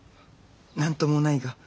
何ともないが。